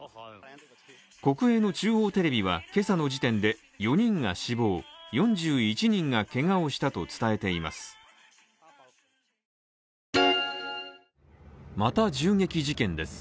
国営の中央テレビは今朝の時点で４人が死亡、４１人がけがをしたと伝えています。